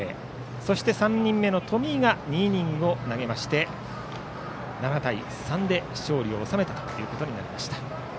そして３人目の冨井が２イニングを投げまして７対３で勝利を収めました。